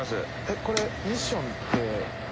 これミッションって？